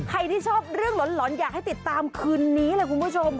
ที่ชอบเรื่องหลอนอยากให้ติดตามคืนนี้เลยคุณผู้ชม